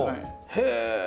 へえ。